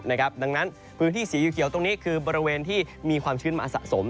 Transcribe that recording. ดังนั้นพื้นที่สีเขียวตรงนี้คือบริเวณที่มีความชื้นมาสะสม